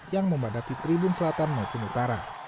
yang membadati tribun selatan maupun utara